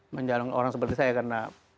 menjalung orang seperti saya karena